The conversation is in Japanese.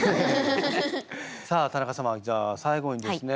さあ田中様じゃあ最後にですね